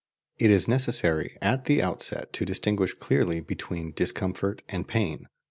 "It is necessary at the outset to distinguish clearly between 'discomfort' and 'pain.'